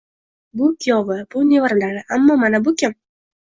Bu kuyovi, bu nevaralari, ammo mana bu kim?